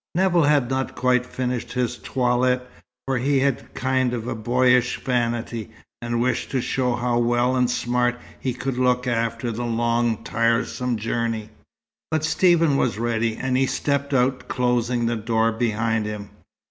Nevill had not quite finished his toilet, for he had a kind of boyish vanity, and wished to show how well and smart he could look after the long, tiresome journey. But Stephen was ready, and he stepped out, closing the door behind him.